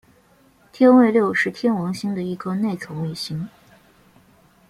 天卫六是天王星的一颗内层卫星。